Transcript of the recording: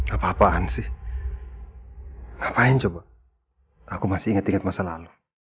apa apaan sih ngapain coba aku masih ingat ingat masa lalu